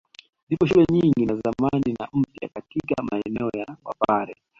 Zipo shule nyingi za zamani na mpya katika maeneo ya wapare